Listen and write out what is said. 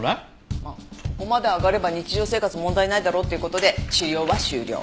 まあここまで上がれば日常生活問題ないだろうという事で治療は終了。